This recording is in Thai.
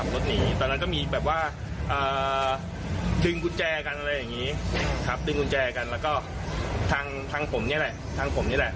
ครับดึงกุญแจกันแล้วก็ทางผมนี่แหละทางผมนี่แหละ